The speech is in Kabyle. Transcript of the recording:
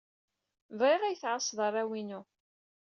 Bɣiɣ ad iyi-tɛassed arraw-inu.